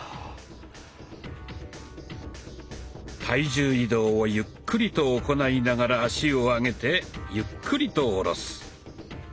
体重移動をゆっくりと行いながら足を上げてゆっくりと下ろす。